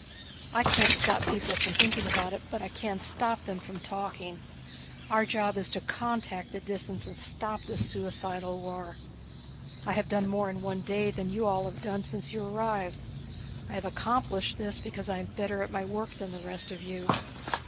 "I can't stop people from thinking about it but I can stop them from talking. Our job is to contact the Disans and stop this suicidal war. I have done more in one day than you all have done since you arrived. I have accomplished this because I am better at my work than the rest of you.